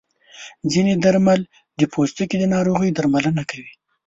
ځینې درمل د پوستکي د ناروغیو درملنه کوي.